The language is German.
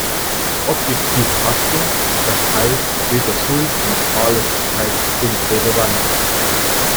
Objektive Haftung, das heißt, weder Schuld noch Fahrlässigkeit sind relevant.